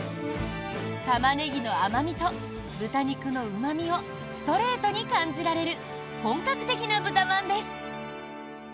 タマネギの甘味と豚肉のうま味をストレートに感じられる本格的な豚まんです。